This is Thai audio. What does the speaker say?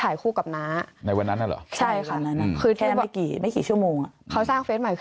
ยักษ์นี่ไทพ